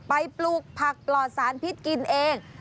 ปลูกผักปลอดสารพิษกินเอง